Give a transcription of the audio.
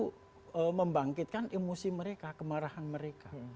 untuk membangkitkan emosi mereka kemarahan mereka